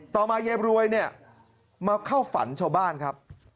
ต่อมาเย็บรวยมาเข้าฝันชาวบ้านครับ